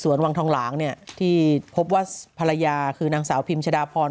วังทองหลางเนี่ยที่พบว่าภรรยาคือนางสาวพิมชะดาพร